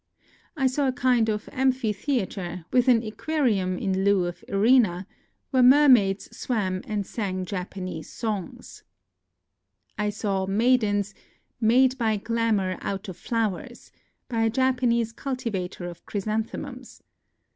I saw a kind of amphitheatre, with an aquarium in lieu of arena, where mermaids swam and sang Japa NOTES OF A TRIP TO KYOTO 57 nese songs. I saw maidens " made by glamour out of flowers" by a Japanese cultivator of chrysanthemums.